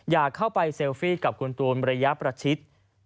อยากเข้าไปเซลฟี่กับคุณตูนระยะประชิด